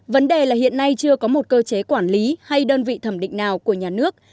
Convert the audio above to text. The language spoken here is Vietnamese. vấn đề là hiện nay chưa có một cơ chế quản lý hay đơn vị thẩm định nào của nhà nước